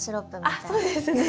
あっそうですね